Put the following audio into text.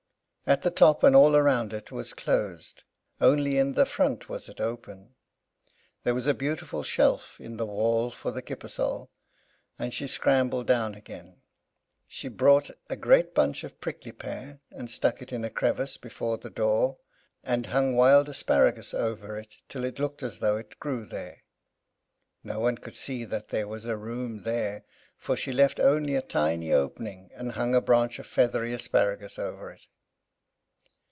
At the top and all round it was closed, only in the front it was open. There was a beautiful shelf in the wall for the kippersol, and she scrambled down again. She brought a great bunch of prickly pear, and stuck it in a crevice before the door, and hung wild asparagus over it, till it looked as though it grew there. No one could see that there was a room there, for she left only a tiny opening, and hung a branch of feathery asparagus over it.